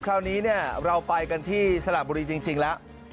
คราวนี้เนี่ยเราไปกันที่สลัดบุรีจริงแล้ว